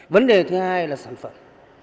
vấn đề thứ hai là sản phẩm